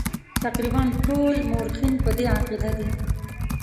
تقریبا ټول مورخین په دې عقیده دي.